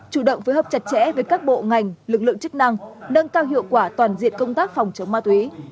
chủ động phối hợp chặt chẽ với các bộ ngành lực lượng chức năng nâng cao hiệu quả toàn diện công tác phòng chống ma túy